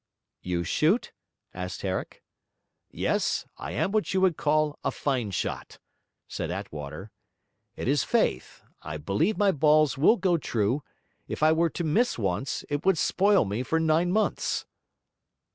'You shoot?' asked Herrick. 'Yes, I am what you would call a fine shot,' said Attwater. 'It is faith; I believe my balls will go true; if I were to miss once, it would spoil me for nine months.'